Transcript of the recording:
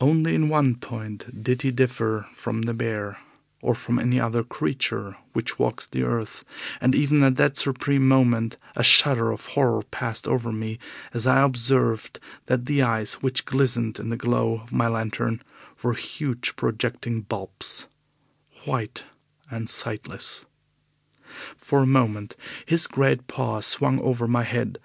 Only in one point did he differ from the bear, or from any other creature which walks the earth, and even at that supreme moment a shudder of horror passed over me as I observed that the eyes which glistened in the glow of my lantern were huge, projecting bulbs, white and sightless. For a moment his great paws swung over my head.